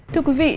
thưa quý vị